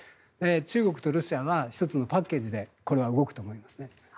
中国とロシアは１つのパッケージでこれは動くと思いますね。